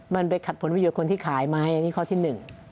มันไปขัดผลประโยชน์คนที่ขายไหมอันนี้ข้อที่หนึ่ง